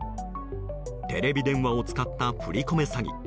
テレビ電話を使った振り込め詐欺。